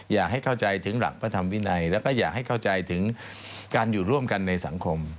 อยากให้เข้าใจถึงหลักพระธรรมวินัยแล้วก็อยากให้เข้าใจถึงการอยู่ร่วมกันในสังคม